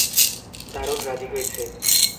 দারুণ, রাজি হয়েছে।